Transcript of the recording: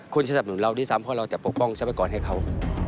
คุณสนับสนุนเราด้วยซ้ำเพราะเราจะปกป้องทรัพยากรให้เขา